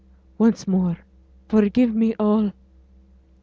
Once more forgive me all.'